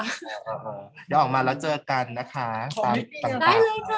เดี๋ยวออกมาแล้วเจอกันนะคะได้เลยค่ะ